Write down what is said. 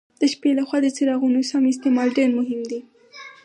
د شپې له خوا د څراغونو سم استعمال ډېر مهم دی.